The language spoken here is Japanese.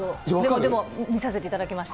でも、見させていただきました。